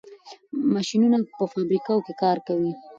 ماشینونه په فابریکو کې کار کوي.